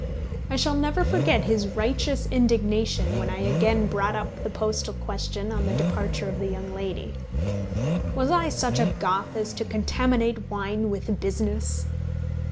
I shall never forget his righteous indignation when I again brought up the postal question on the departure of the young lady. Was I such a Goth as to contaminate wine with business?